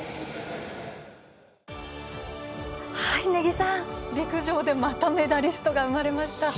根木さん、陸上でまたメダリストが生まれました。